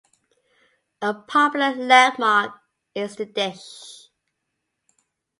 A popular landmark is the Dish.